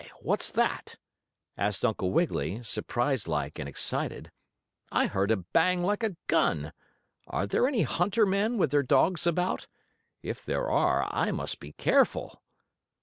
What's that?" asked Uncle Wiggily, surprised like and excited. "I heard a bang like a gun. Are there any hunter men, with their dogs about? If there are I must be careful."